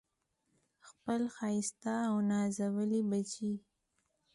خپل ښایسته او نازولي بچي